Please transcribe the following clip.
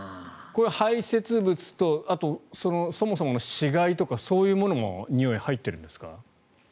これは排せつ物とそもそもの死骸とかそういうものもにおいは入っているんですか？